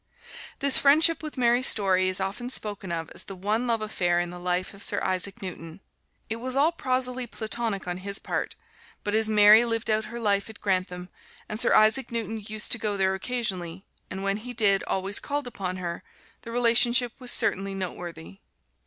This friendship with Mary Story is often spoken of as the one love affair in the life of Sir Isaac Newton. It was all prosily Platonic on his part, but as Mary lived out her life at Grantham, and Sir Isaac Newton used to go there occasionally, and when he did, always called upon her, the relationship was certainly noteworthy.